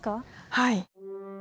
はい。